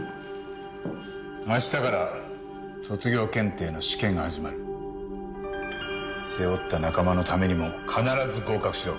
「あしたから卒業検定の試験が始まる」「背負った仲間のためにも必ず合格しろ」